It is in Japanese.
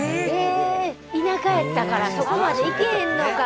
田舎やったからそこまで行けへんのか。